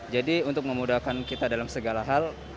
jadi untuk memudahkan kita dalam segala hal